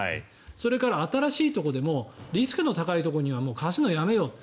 それから、新しいところでもリスクの高いところにはもう貸すのをやめようと。